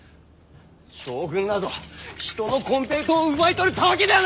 将軍など人のコンペイトウを奪い取るたわけではないか！